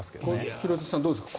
廣津留さんどうですか？